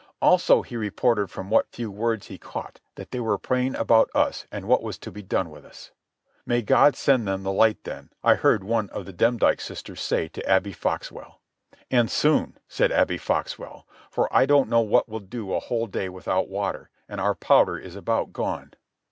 Also he reported from what few words he caught that they were praying about us and what was to be done with us. "May God send them the light then," I heard one of the Demdike sisters say to Abby Foxwell. "And soon," said Abby Foxwell, "for I don't know what we'll do a whole day without water, and our powder is about gone."